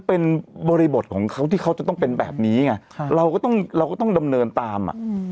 คอนโดรอมเลยแบบนี้อืม